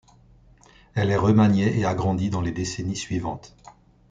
Elle est remaniée et agrandie dans les décennies suivantes.